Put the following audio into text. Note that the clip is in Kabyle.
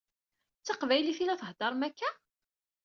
D taqbaylit i la theddṛem akka?